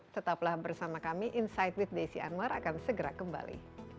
tetaplah bersama kami insight with desi anwar akan segera kembali